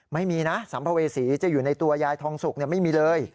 ไม่มีนะสัมภเวษีจะอยู่ในตัวยายทองสุกไม่มีเลย